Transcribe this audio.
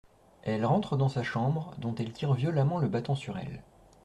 Elle rentre dans sa chambre, dont elle tire violemment le battant sur elle.